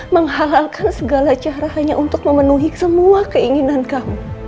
menghalalkan segala cara hanya untuk memenuhi semua keinginan kamu